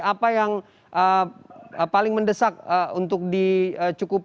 apa yang paling mendesak